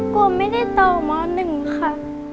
กลัวไม่ได้ต่อมหนึ่งค่ะ